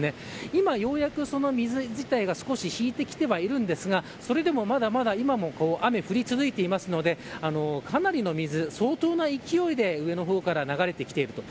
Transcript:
今ようやくその水自体が少し引いてきてはいるんですがそれでもまだまだ今も雨が降り続いているのでかなりの水が相当な勢いで上の方から流れてきていると。